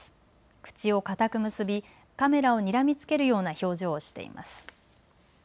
口を固く結び、カメラをにらみつけるような表情をしています。